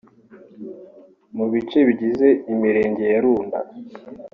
mu bice bigize imirenge ya Runda